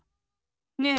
ねえ！